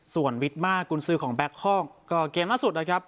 ส่วนวิทย์มากกุญซื้อของแบ็คฮองก็เกมล่าสุดนะครับ